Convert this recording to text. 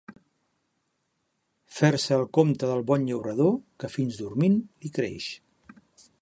Fer-se el compte del bon llaurador, que fins dormint li creix.